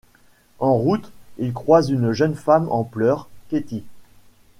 En route, ils croisent une jeune femme en pleurs, Keti.